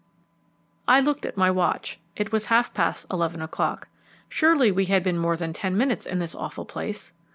I looked at my watch. It was half past eleven o'clock. Surely we had been more than ten minutes in this awful place!